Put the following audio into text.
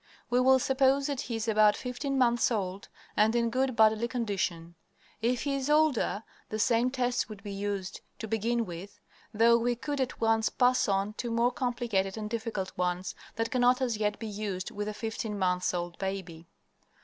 We will suppose that he is about fifteen months old and in good bodily condition. If he is older, the same tests would be used to begin with, though we could at once pass on to more complicated and difficult ones that cannot as yet be used with the fifteen months old baby.